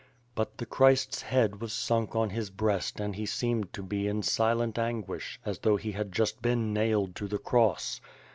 But the Christ's head was sunk on his breast and he seemed to be in silent anguish, as though he had just been nailed to the cross.